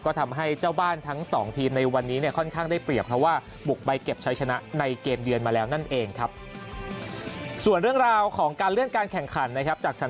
ก็ทำให้เจ้าบ้านทั้งสองทีมในวันนี้เนี่ยค่อนข้างได้เปรียบเพราะว่าบุกไปเก็บใช้ชนะในเกมเยือนมาแล้วนั่นเองครับ